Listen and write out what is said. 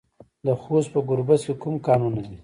د خوست په ګربز کې کوم کانونه دي؟